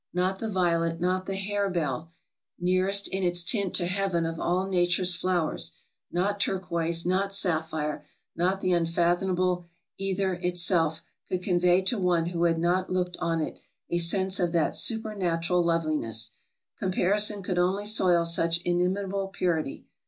Not the violet, not the harebell, near 444 TRAVELERS AND EXPLORERS est in its tint to heaven of all nature's flowers ; not turquoise, not sapphire, not the unfathomable ether itself, could con vey to one who had not looked on it a sense of that super natural loveliness. Comparison could only soil such in imitable purity.